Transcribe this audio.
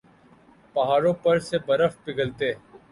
پہاڑوں پر سے برف پگھلتے